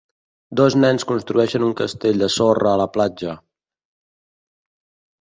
Dos nens construeixen un castell de sorra a la platja.